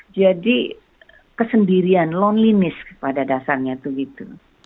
jadi kesendirian loneliness pada dasarnya itu gitu